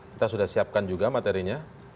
kita sudah siapkan juga materinya